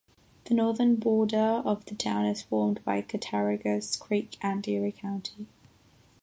The northern border of the town is formed by Cattaraugus Creek and Erie County.